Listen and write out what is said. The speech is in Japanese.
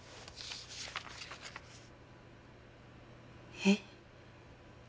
えっ。